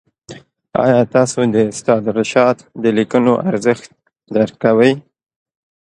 آیا تاسو د استاد رشاد د ليکنو ارزښت درک کوئ؟